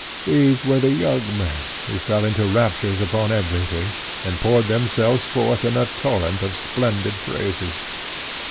These were the young men, who fell into raptures upon every thing, and poured themselves forth in a torrent of splendid phrases.